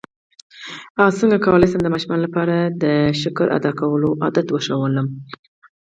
څنګه کولی شم د ماشومانو لپاره د شکر ادا کولو عادت ښوول